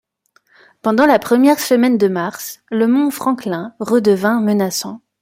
Pendant la première semaine de mars, le mont Franklin redevint menaçant